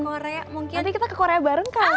nanti kita ke korea bareng kan